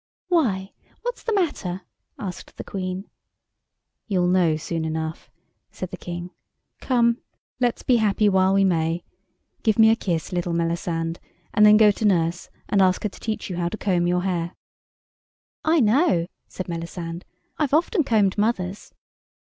"Why, what's the matter?" asked the Queen. "You'll know soon enough," said the King. "Come, let's be happy while we may. Give me a kiss, little Melisande, and then go to nurse and ask her to teach you how to comb your hair." "I know," said Melisande, "I've often combed mother's."